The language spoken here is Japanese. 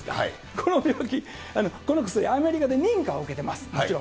この病気、この薬、アメリカで認可を受けてます、もちろん。